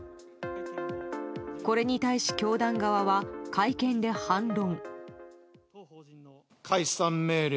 これに対し教団側は会見で反論。